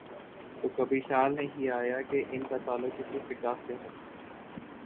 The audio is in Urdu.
تو کبھی خیال نہیں آیا کہ ان کا تعلق کس فقہ سے ہے۔